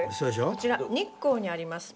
こちら日光にあります